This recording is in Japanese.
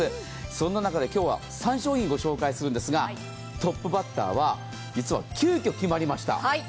そんな中で今日は３商品ご紹介するんですが、トップバッターは、実は急きょ決まりました。